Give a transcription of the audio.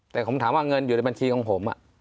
แต่ผมถามว่าเงินอยู่ในบัญชีของผม